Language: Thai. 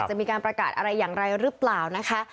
จะมีการประกาศอะไรอย่างไรหรือเปล่านะคะ